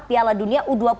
piala dunia u dua puluh